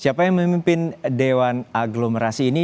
siapa yang memimpin dewan agglomerasi ini